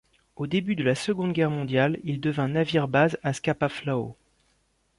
Au début de la Seconde Guerre mondiale, il devint navire base à Scapa Flow.